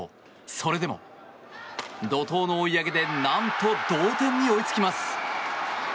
それでも、怒とうの追い上げでなんとか同点に追いつきます。